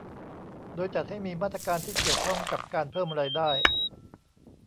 โดยจัดให้มีมาตรการที่เกี่ยวข้องกับการเพิ่มรายได้